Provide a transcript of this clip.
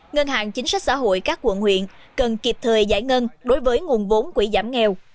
ngân hàng chính sách xã hội các quận huyện cần kịp thời giải ngân đối với nguồn vốn quỹ giảm nghèo